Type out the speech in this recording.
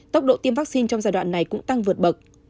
tốc độ tiêm vaccine trong giai đoạn này cũng tăng vượt bậc